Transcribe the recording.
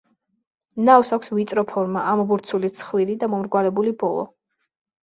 ნავს აქვს ვიწრო ფორმა, ამობურცული ცხვირი და მომრგვალებული ბოლო.